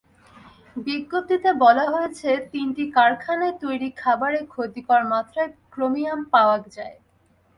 বিজ্ঞপ্তিতে বলা হয়েছে, তিনটি কারখানায় তৈরি খাবারে ক্ষতিকর মাত্রায় ক্রোমিয়াম পাওয়া যায়।